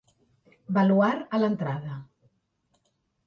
Baluard a l'entrada.